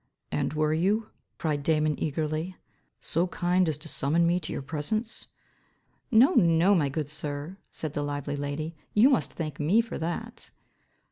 "And were you," cried Damon eagerly, "so kind as to summon me to your presence?" "No, no, my good sir," said the lively lady, "you must thank me for that".